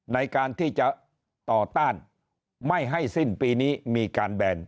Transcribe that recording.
ในการที่จะต่อต้านไม่ให้สิ้นปีนี้มีการแบน